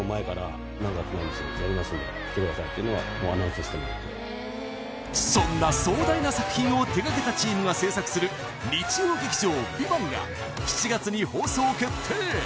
「陸王」に関してはそんな壮大な作品を手がけたチームが制作する日曜劇場「ＶＩＶＡＮＴ」が７月に放送決定